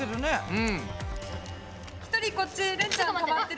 うん。